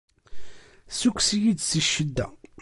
Ssukkes-iyi-d si ccedda!